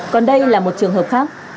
còn đây là một trường hợp khác